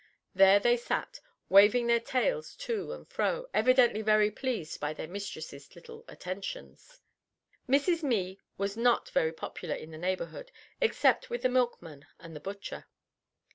There they sat, waving their tails to and fro, evidently very pleased by their mistress's little attentions. Mrs. Mee was not very popular in the neighborhood, except with the milkman and the butcher.